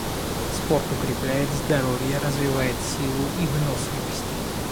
Спорт укрепляет здоровье, развивает силу и выносливость.